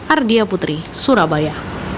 ardia putri surabaya